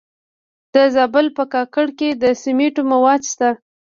د زابل په کاکړ کې د سمنټو مواد شته.